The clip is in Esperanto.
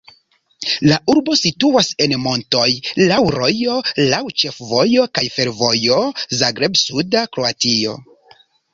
La urbo situas en montoj, laŭ rojo, laŭ ĉefvojo kaj fervojo Zagreb-suda Kroatio.